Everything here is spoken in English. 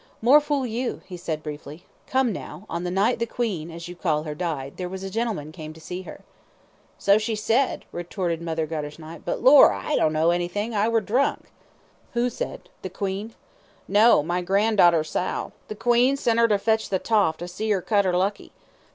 "More fool you," he said, briefly. "Come now, on the night the 'Queen,' as you call her, died, there was a gentleman came to see her?" "So she said," retorted Mother Guttersnipe; "but, lor, I dunno anythin', I were drunk." "Who said the 'Queen?'" "No, my gran'darter, Sal. The 'Queen,' sent 'er to fetch the toff to see 'er cut 'er lucky.